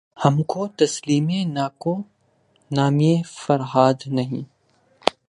ہم کو تسلیم نکو نامیِ فرہاد نہیں